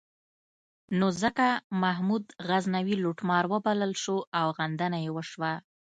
نو ځکه محمود غزنوي لوټمار وبلل شو او غندنه یې وشوه.